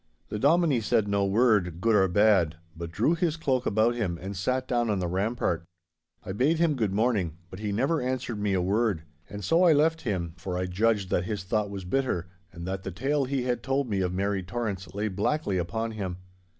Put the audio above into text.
The Dominie said no word, good or bad, but drew his cloak about him and sat down on the rampart. I bade him good morning, but he never answered me a word; and so I left him, for I judged that his thought was bitter, and that the tale he had told me of Mary Torrance lay blackly upon him.